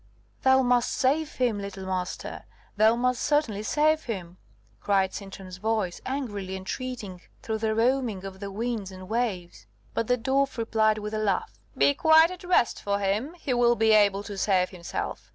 "Thou must save him, little Master thou must certainly save him," cried Sintram's voice, angrily entreating, through the roaring of the winds and waves. But the dwarf replied, with a laugh: "Be quite at rest for him; he will be able to save himself.